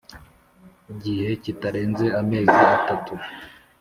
gihe kitarenze amezi atatu